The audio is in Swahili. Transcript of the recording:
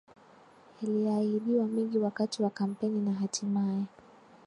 yaliahidiwa mengi wakati wa kampeni na hatimaye